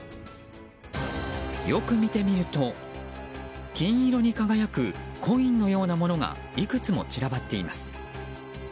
よく見てみると金色に輝くコインのようなものがいくつも散らばっています。